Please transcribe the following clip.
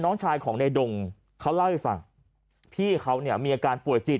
น้องชายของในดงเขาเล่าให้ฟังพี่เขาเนี่ยมีอาการป่วยจิต